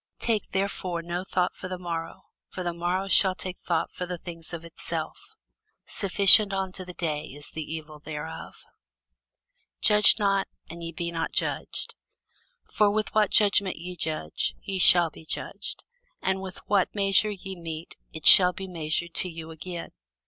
Take therefore no thought for the morrow: for the morrow shall take thought for the things of itself. Sufficient unto the day is the evil thereof. [Sidenote: St. Matthew 7] Judge not, that ye be not judged. For with what judgment ye judge, ye shall be judged: and with what measure ye mete, it shall be measured to you again.